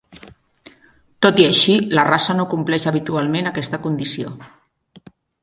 Tot i així, la raça no compleix habitualment aquesta condició.